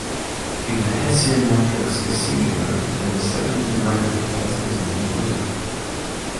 If the Hessian matrix is singular, then the second derivative test is inconclusive.